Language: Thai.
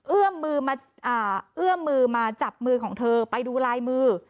เอื้อมมือมาอ่าเอื้อมมือมาจับมือของเธอไปดูลายมือ